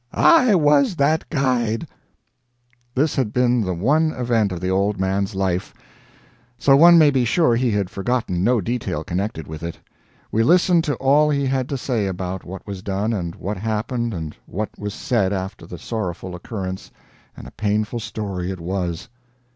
I was that guide!" This had been the one event of the old man's life; so one may be sure he had forgotten no detail connected with it. We listened to all he had to say about what was done and what happened and what was said after the sorrowful occurrence, and a painful story it was.